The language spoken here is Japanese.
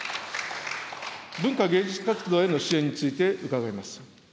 文化芸術活動への支援について伺います。